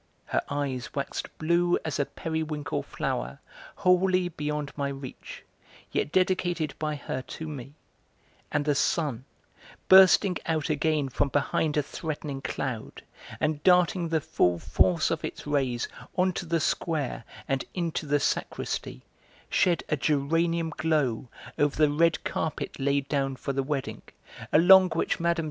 Her eyes waxed blue as a periwinkle flower, wholly beyond my reach, yet dedicated by her to me; and the sun, bursting out again from behind a threatening cloud and darting the full force of its rays on to the Square and into the sacristy, shed a geranium glow over the red carpet laid down for the wedding, along which Mme.